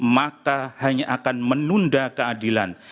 maka hanya akan menunda keadilan